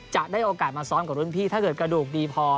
จะได้โอกาสมาซ้อมกับรุ่นพี่ถ้าเกิดกระดูกดีพอ